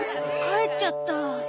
帰っちゃった。